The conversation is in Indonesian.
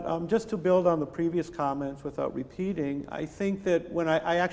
tapi untuk membangun komentar sebelumnya tanpa mengulangi